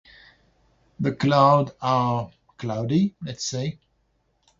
The cloud? Uhh, cloudy, I'd say.